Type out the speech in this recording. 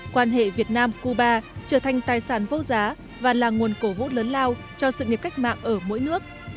quan hệ việt nam cuba trở thành tài sản vô giá và là nguồn cổ vũ lớn lao cho sự nghiệp cách mạng ở mỗi nước